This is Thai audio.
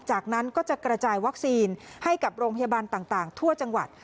จากนั้นก็จะกระจายวัคซีนให้กับโรงพยาบาลต่างทั่วจังหวัด